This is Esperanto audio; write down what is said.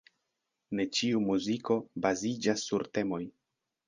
Ne ĉiu muziko baziĝas sur temoj.